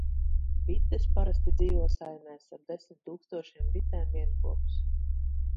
Bites parasti dzīvo saimēs - ap desmit tūkstošiem bitēm vienkopus.